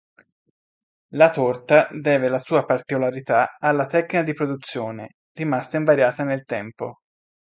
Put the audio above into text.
La torta deve la sua particolarità alla tecnica di produzione, rimasta invariata nel tempo.